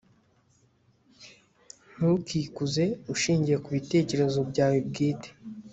ntukikuze ushingiye ku bitekerezo byawe bwite